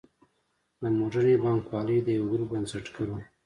د موډرنې بانکوالۍ د یوه ګروپ بنسټګر و.